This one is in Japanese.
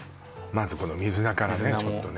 まずこの水菜からねちょっとね